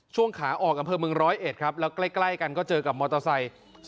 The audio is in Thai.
ช่วงขาออกอำเภอเมืองร้อยเอ็ดครับแล้วใกล้กันก็เจอกับมอเตอร์ไซค์